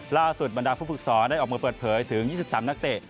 ล่าสุดบรรดาผู้ฝึกษอได้ออกเมื่อเปิดเผยถึง๒๓นักเตะ